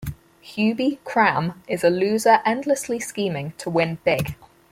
Hubie Cram is a loser endlessly scheming to win big.